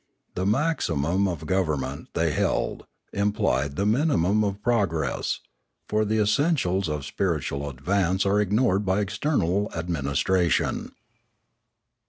The maximum of government, they held, implied the minimum of pro gress; for the essentials of spiritual advance are ignored by external administration.